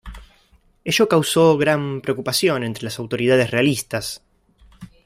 Ello causó gran preocupación entre las autoridades realistas.